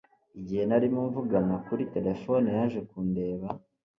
igihe narimo mvugana kuri terefone, yaje kundeba